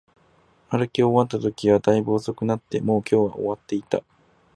歩き終わったときは、大分遅くなっていて、もう今日は終わっていた